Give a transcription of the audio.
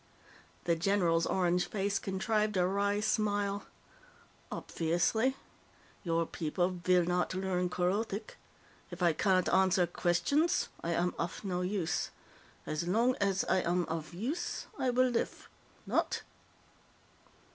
The general's orange face contrived a wry smile. "Opfiously. Your people fill not learn Kerothic. If I cannot answerr questionss, I am uff no use. Ass lonk ass I am uff use, I will liff. Not?"